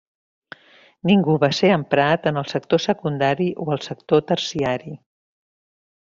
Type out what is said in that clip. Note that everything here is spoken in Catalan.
Ningú va ser emprat en el sector secundari o el sector terciari.